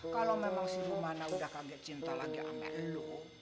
kalau memang si rumana udah kaget cinta lagi sama lo